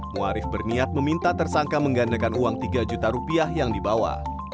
⁇ warif berniat meminta tersangka menggandakan uang tiga juta rupiah yang dibawa